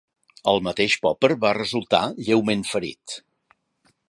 El mateix Popper va resultar lleument ferit.